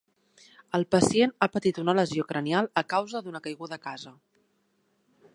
El pacient ha patit una lesió cranial a causa d'una caiguda a casa.